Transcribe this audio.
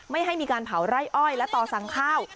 ไม่ให้มีการเผาไร่อ้อยและต่อสั่งข้าว